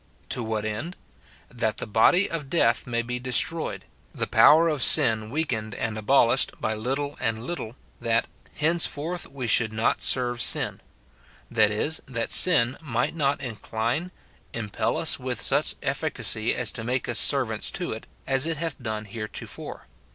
To what end ?" That the body of death may be destroyed," the power of sin weakened and abolished by little and little, that " henceforth we should not serve sin;" that is, that sin might not incline, impel us with such efficacy as to make us servants to it, as it hath done heretofore.